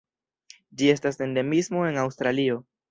Ĝi estas endemismo en Aŭstralio.